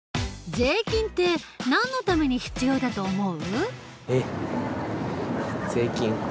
税金ってなんのために必要だと思う？